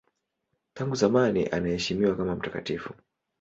Tangu zamani anaheshimiwa kama mtakatifu.